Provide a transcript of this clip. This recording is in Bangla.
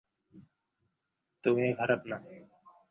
কয়েক বছর প্রথম বিভাগে খেললেও চোটের কারণে খেলা ছেড়ে বেছে নেন কোচিং।